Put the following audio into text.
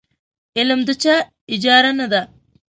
علم د چا اجاره نه ده.